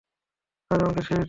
আজ আমাদের শেষ দিন।